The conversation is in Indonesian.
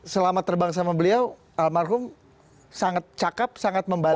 selama terbang sama beliau almarhum sangat cakep sangat membantu